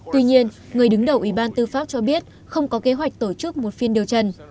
tuy nhiên người đứng đầu ủy ban tư pháp cho biết không có kế hoạch tổ chức một phiên điều trần